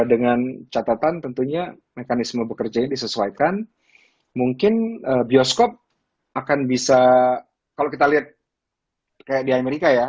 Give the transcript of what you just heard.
dengan catatan tentunya mekanisme bekerjanya disesuaikan mungkin bioskop akan bisa kalau kita lihat kayak di amerika ya